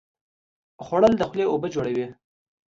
خوړل د خولې اوبه جوړوي